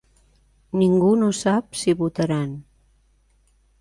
Ningú no sap si votaran.